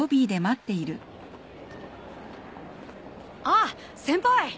あっ先輩。